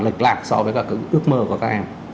lệch lạc so với cả ước mơ của các em